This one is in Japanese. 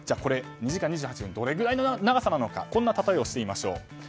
２時間２８分はどれぐらいの長さなのかこんなたとえをしてみましょう。